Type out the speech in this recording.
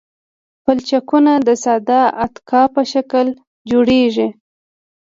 پلچکونه د ساده اتکا په شکل جوړیږي